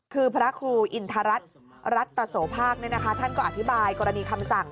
คือพระครูอินทรัสรัตโสภาคท่านก็อธิบายกรณีคำสั่ง